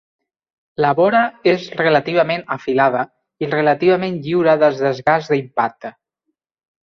La vora és relativament afilada i relativament lliure del desgasts d'impacte.